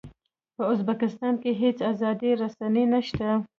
په ازبکستان کې هېڅ ازادې رسنۍ نه شته.